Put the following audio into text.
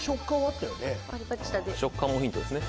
食感もヒントですね。